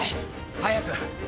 早く！